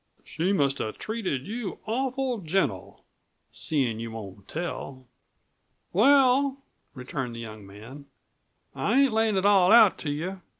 "She must have treated you awful gentle, seein' you won't tell." "Well," returned the young man, "I ain't layin' it all out to you.